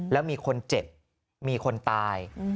แล้วมีคนเจ็บมีคนตาย